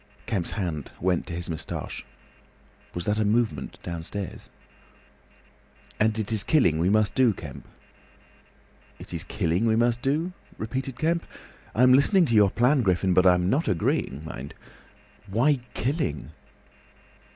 Kemp's hand went to his moustache. Was that a movement downstairs? "And it is killing we must do, Kemp." "It is killing we must do," repeated Kemp. "I'm listening to your plan, Griffin, but I'm not agreeing, mind. Why killing?"